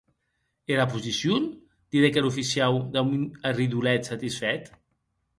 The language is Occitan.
Era posicion?, didec er oficiau damb un arridolet satisfèt.